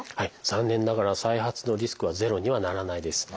残念ながら再発のリスクはゼロにはならないです。